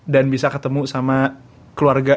dan bisa ketemu sama keluarga